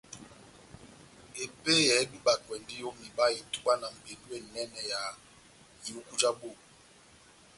Epeyɛ edubakwɛndi o miba itubwa na mbendu enɛnɛ ya ihuku ja boho.